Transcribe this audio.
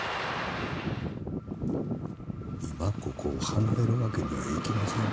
今ここを離れるわけにはいきません。